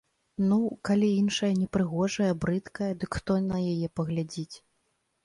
Ну, калі іншая непрыгожая, брыдкая, дык хто на яе і паглядзіць.